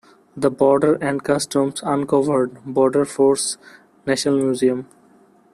The Border and Customs uncovered Border Force National Museum.